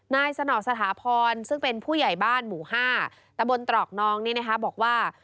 นายสนอสถาพรซึ่งเป็นผู้ใหญ่บ้านหมู่๕ตะบนตรอกน้องนี่นะคะบอกว่า